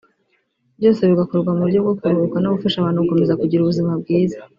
byose bigakorwa mu buryo bwo kuruhuka no gufasha abantu gukomeza kugira ubuzima bwiza